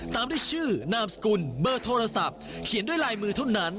ตามด้วยชื่อนามสกุลเบอร์โทรศัพท์เขียนด้วยลายมือเท่านั้น